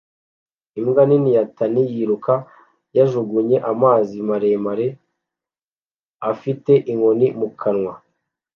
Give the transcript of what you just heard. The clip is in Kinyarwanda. imbwa nini ya tan yiruka yajugunye amazi maremare afite inkoni mu kanwa